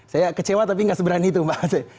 saya kecewa tapi gak seberani itu mbak